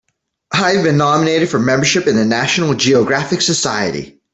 I've been nominated for membership in the National Geographic Society.